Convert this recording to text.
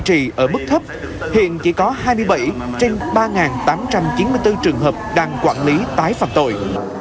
trì ở mức thấp hiện chỉ có hai mươi bảy trên ba tám trăm chín mươi bốn trường hợp đang quản lý tái phạm tội